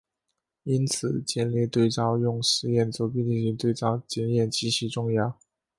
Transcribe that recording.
因此建立对照用实验组并进行对照检验极其重要。